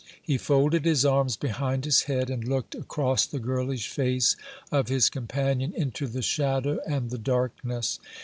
He folded his arms behind his head, and looked across the girlish face of his companion into the shadow and the darkness.